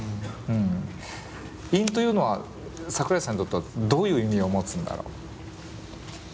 韻というのは桜井さんにとってはどういう意味を持つんだろう？